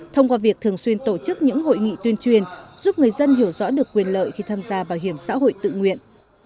thông qua việc thường xuyên tổ chức những hội nghị tuyên truyền giúp người dân hiểu rõ được quyền lợi khi tham gia bảo hiểm xã hội tự nguyện